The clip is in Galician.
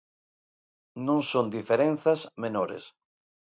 Non son diferenzas menores.